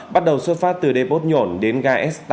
bắt đầu xuất phát từ đê bốt nhổn đến gai s tám